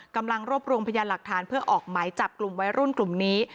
กำลังรวบรวมพยานหลักฐานเพื่อออกหมายจับกลุ่มวัยรุ่นกลุ่มนี้